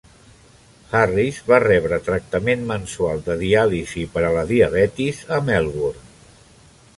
Harris va rebre tractament mensual de diàlisi per a la diabetis a Melbourne.